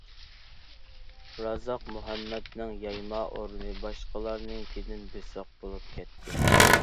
رازاق مۇھەممەدنىڭ يايما ئورنى باشقىلارنىڭكىدىن بېسىق بولۇپ كەتتى.